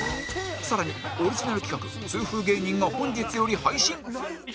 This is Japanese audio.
さらにオリジナル企画痛風芸人が本日より配信